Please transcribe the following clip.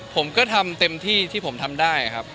ผมก็ทำเต็มที่ที่ผมทำได้ครับ